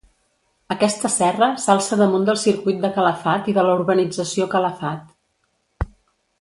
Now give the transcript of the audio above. Aquesta serra s'alça damunt del Circuit de Calafat i de la urbanització Calafat.